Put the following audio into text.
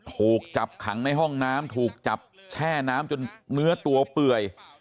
ถูกจับขังในห้องน้ำถูกจับแช่น้ำจนเนื้อตัวเปื่อย